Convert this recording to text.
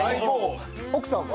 奥さんは？